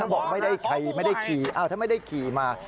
บอกไม่ได้ขี่ถ้าไม่ได้ขี่มา